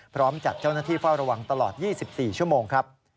พร้อมจัดเจ้าหน้าที่เฝ้าระวังตลอด๒๔ชั่วโมงครับ